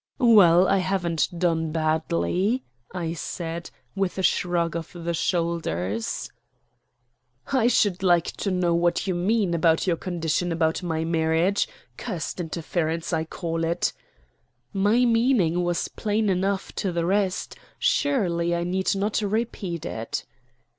"Well, I haven't done badly," I said, with a shrug of the shoulders. "I should like to know what you mean about your condition about my marriage cursed interference, I call it." "My meaning was plain enough to the rest; surely I need not repeat it."